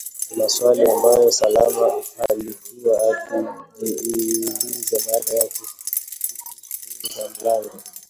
ni maswali ambayo Salma alikuwa akijiuliza baada ya kuufunga mlango